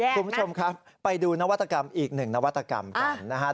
คุณผู้ชมครับไปดูนวัตกรรมอีกหนึ่งนวัตกรรมกันนะครับ